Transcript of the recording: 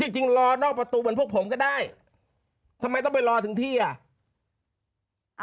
จริงรอนอกประตูเหมือนพวกผมก็ได้ทำไมต้องไปรอถึงที่อ่ะ